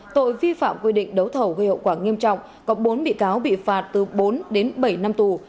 tội vi phạm quy định đấu thầu gây hậu quả nghiêm trọng có bốn bị cáo bị phạt từ bốn đến bảy năm tù